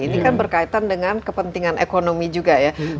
ini kan berkaitan dengan kepentingan ekonomi juga ya